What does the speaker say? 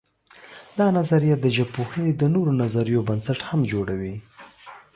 دا نظریه د ژبپوهنې د نورو نظریو بنسټ هم جوړوي.